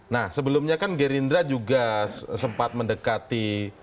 nah sebelumnya kan gerindra juga sempat mendekati